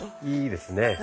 いいですね。